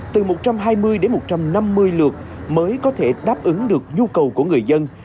từ một trăm hai mươi đến một trăm năm mươi lượt mới có thể đáp ứng được nhu cầu của người dân